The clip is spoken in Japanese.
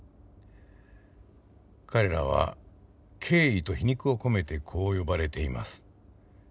彼らは敬意と皮肉を込めてこう呼ばれています。